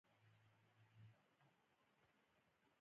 وګړي د افغانستان د چاپیریال ساتنې لپاره مهم دي.